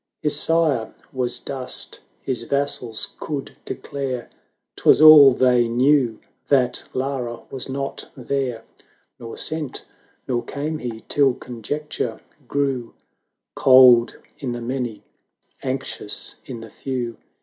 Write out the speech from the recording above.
His sire was dust, his vassals could de clare, 'Twas all they knew, that Lara was not there; 30 Nor sent, nor came he, till conjecture grew Cold in the many, anxious in the few.